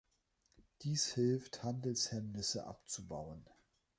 Dies hilft, Handelshemmnisse abzubauen.